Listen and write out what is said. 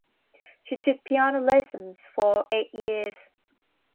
She took piano lessons for eight years.